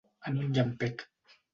En un llampec.